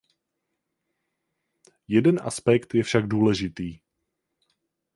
Jeden aspekt je však důležitý.